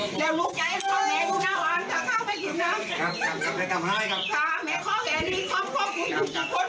กลับที่สิ้นถึงที่ห้องศาล